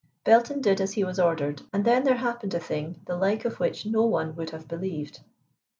Belton did as he was ordered and then there happened a thing the like of which no one would have believed.